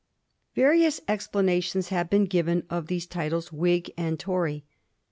Various explanations have been given of these titles Whig and Tory.